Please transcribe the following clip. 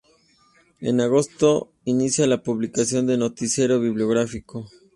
En agosto se inicia la publicación de "Noticiero Bibliográfico".